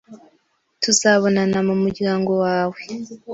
Tuzabonana numuryango wawe.